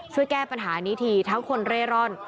ช่วยแก้ปัญหานี้ทีทั้งคนเร่ร่อน